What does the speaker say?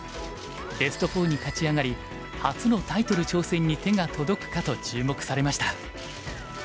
ベスト４に勝ち上がり初のタイトル挑戦に手が届くかと注目されました。